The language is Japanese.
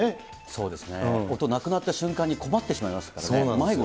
そうですね、音なくなった瞬間に困ってしまいましたからね。